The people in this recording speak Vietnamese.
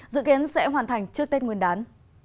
dự kiến sẽ hoàn thành trước tết nguyên đán